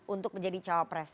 untuk menjadi cowok pres